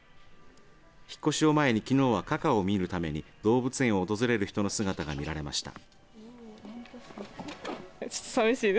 引っ越しを前に、きのうはカカを見るために動物園を訪れる人の姿が見られました。